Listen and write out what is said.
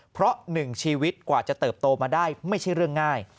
เพราะหนึ่งชีวิตกว่าจะเติบโตมาได้ไม่ใช่เรื่องง่าย